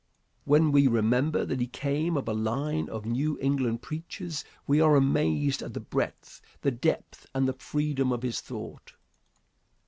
When we remember that he came of a line of New England preachers we are amazed at the breadth, the depth and the freedom of his thought.